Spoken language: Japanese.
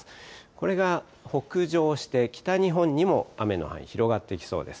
これが北上して北日本にも雨の範囲広がっていきそうです。